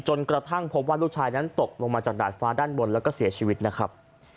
จนกระทั่งพบว่าลูกชายนั้นตกลงมาจากดาดฟ้าด้านบนแล้วก็เสียชีวิตนะครับ